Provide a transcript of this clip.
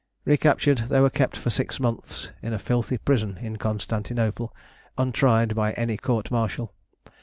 Recaptured, they were kept for six months in a filthy prison in Constantinople, untried by any court martial.